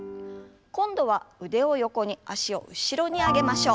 今度は腕を横に脚を後ろに上げましょう。